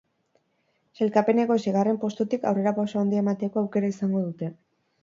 Sailkapeneko seigarren postutik aurrerapauso handia emateko aukera izango dute.